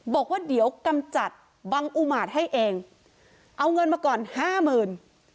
บอกว่าเดี๋ยวกำจัดบังอุมาตรให้เองเอาเงินมาก่อนห้าหมื่น